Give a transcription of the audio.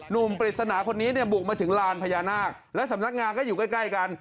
ปริศนาคนนี้เนี่ยบุกมาถึงลานพญานาคและสำนักงานก็อยู่ใกล้กัน